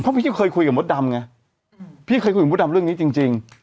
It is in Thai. เพราะพี่เคยคุยกับมดดำไงพี่เคยคุยกับมดดำเรื่องนี้จริง